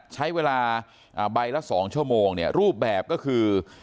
ใช้เวลาใบละ๒ชั่วโมงเนี่ยรูปแบบก็คือ